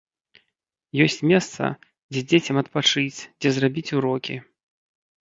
Ёсць месца, дзе дзецям адпачыць, дзе зрабіць урокі.